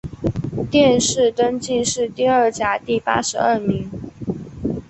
殿试登进士第二甲第八十二名。